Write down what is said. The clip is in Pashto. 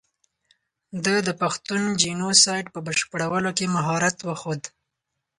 ده د پښتون جینو سایډ په بشپړولو کې ښه مهارت وښود.